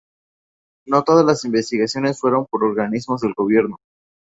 No todas las investigaciones fueron por organismos del gobierno.